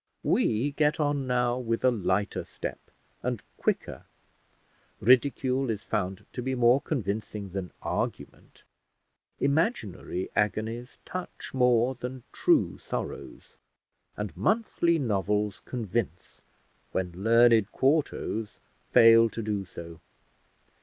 We get on now with a lighter step, and quicker: ridicule is found to be more convincing than argument, imaginary agonies touch more than true sorrows, and monthly novels convince, when learned quartos fail to do so.